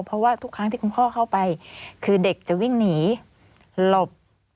เพราะว่าทุกครั้งที่คุณพ่อเข้าไปคือเด็กจะวิ่งหนีหลบ